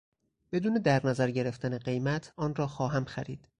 بدون در نظر گرفتن قیمت آن را خواهم خرید.